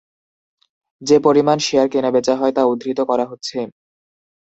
যে পরিমাণ শেয়ার কেনাবেচা হয় তা উদ্ধৃত করা হচ্ছে।